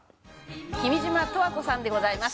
君島十和子さんでございます。